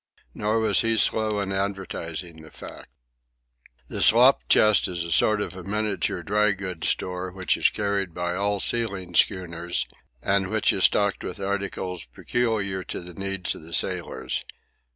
Nor was he slow in advertising the fact. The slop chest is a sort of miniature dry goods store which is carried by all sealing schooners and which is stocked with articles peculiar to the needs of the sailors.